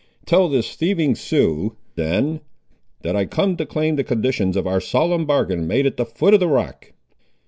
Tell this thieving Sioux, then, that I come to claim the conditions of our solemn bargain, made at the foot of the rock."